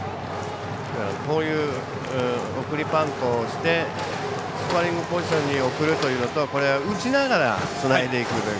こういう送りバントしてスコアリングポジションに送るというのとこれは打ちながらつないでいく打撃。